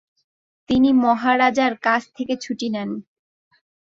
তিনি মহারাজার কাজ থেকে ছুটি নেন।